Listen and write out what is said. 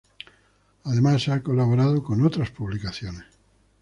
Además ha colaborado con otras publicaciones.